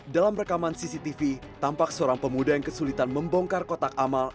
dalam rekaman cctv tampak seorang pemuda yang kesulitan membongkar kotak amal